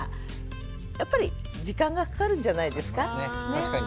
確かに。